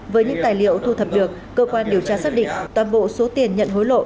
với những tài liệu thu thập được cơ quan điều tra xác định toàn bộ số tiền nhận hối lộ